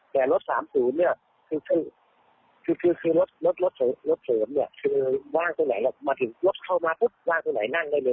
แต่รถ๓๐นี่คือรถเสริมคือลาดไหนมาถึงรถเข้ามาว่าว่าไหนนั่งได้เลย